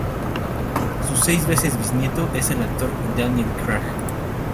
Su seis veces bisnieto es el actor Daniel Craig.